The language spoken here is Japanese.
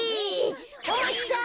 お松さん